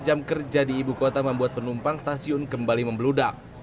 jam kerja di ibu kota membuat penumpang stasiun kembali membeludak